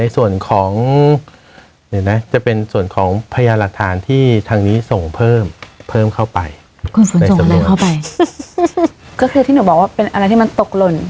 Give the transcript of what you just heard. ส่วนของพญาหลักฐานที่ทางนี้ส่งเพิ่มเข้าไปในสำนวนเข้าไปก็คือที่หนูบอกว่าเป็นอะไรที่มันตกหล่น